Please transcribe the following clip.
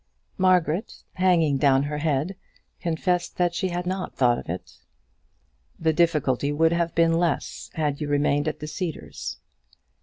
Margaret, hanging down her head, confessed that she had not thought of it. "The difficulty would have been less, had you remained at the Cedars."